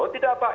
oh tidak pak